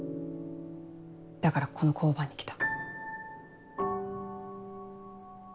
だからこの交番に来た。